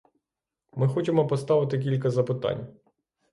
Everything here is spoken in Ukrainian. Ми хочемо поставити кілька запитань.